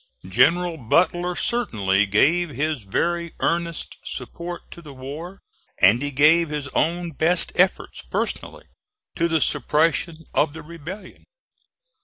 General Butler certainly gave his very earnest support to the war; and he gave his own best efforts personally to the suppression of the rebellion.